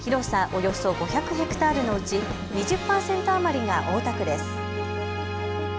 およそ５００ヘクタールのうち２０％余りが大田区です。